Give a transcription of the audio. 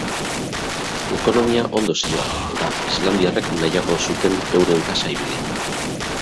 Ekonomia ondo zihoan, eta islandiarrek nahiago zuten euren kasa ibili.